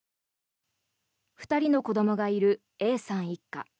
２人の子どもがいるＡさん一家。